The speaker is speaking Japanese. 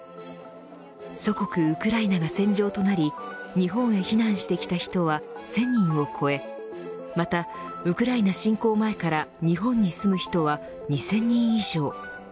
祖国ウクライナが戦場となり日本へ避難してきた人は１０００人を超えまたウクライナ侵攻前から日本に住む人は２０００人以上。